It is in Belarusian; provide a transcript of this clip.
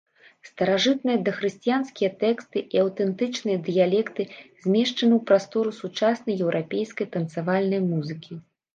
Старажытныя дахрысціянскія тэксты і аўтэнтычныя дыялекты змешчаны ў прастору сучаснай еўрапейскай танцавальнай музыкі.